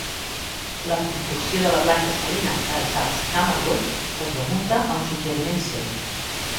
La construcció de la planta salina a Salzkammergut es remunta a un suggeriment seu.